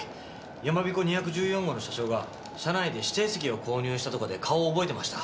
やまびこ２１４号の車掌が車内で指定席を購入したとかで顔を覚えてました。